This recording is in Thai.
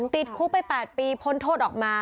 ติดคุกไป๘ปีพ้นโทษออกมา